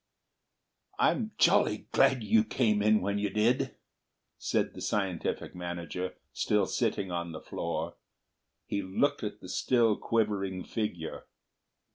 "I'm jolly glad you came in when you did," said the scientific manager, still sitting on the floor. He looked at the still quivering figure.